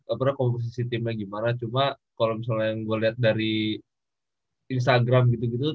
apa komposisi timnya gimana cuma kalau misalnya yang gue liat dari instagram gitu gitu